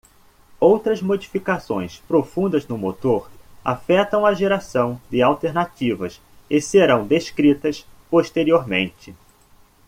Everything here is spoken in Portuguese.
Outras modificações profundas no motor afetam a geração de alternativas e serão descritas posteriormente.